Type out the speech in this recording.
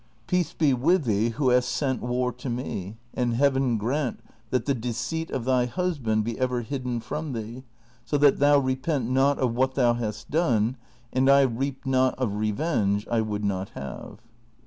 Peace be with thee who hast sent war to me, and Heaven grant that the deceit of thy husband be ever hidden from thee, so that thou repent not of what thou hast done, and I reap not a revenge I would not have.